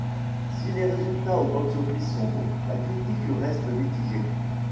Si les résultats au box-office sont bons la critique reste mitigée.